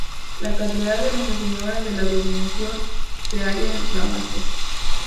La catedral de Nuestra Señora de la Dormición se halla en Damasco.